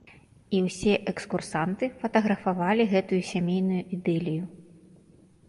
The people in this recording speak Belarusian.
І ўсе экскурсанты фатаграфавалі гэтую сямейную ідылію.